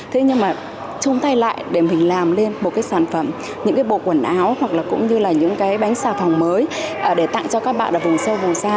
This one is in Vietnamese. thế nhưng mà chung tay lại để mình làm lên một cái sản phẩm những cái bộ quần áo hoặc là cũng như là những cái bánh xà phòng mới để tặng cho các bạn ở vùng sâu vùng xa